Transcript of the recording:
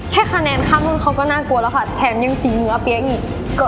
แค่คะแนนข้ามรุ่นเขาก็น่ากลัวแล้วค่ะแถมยังตีเหนือเปี๊ยกอีก